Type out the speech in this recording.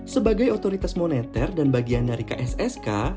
sebagai otoritas moneter dan bagian dari kssk